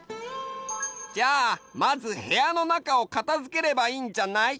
じゃあまずへやのなかを片付ければいいんじゃない？